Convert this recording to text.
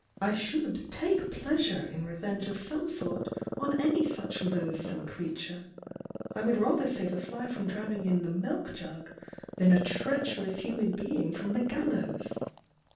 I should take pleasure in re venge of some sort on any such loathsome creature. I would rather save a fly from drowning in the milk jug than a treacherous human being from the gallows!"